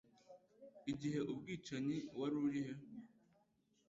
Igihe ubwicanyi wari uri?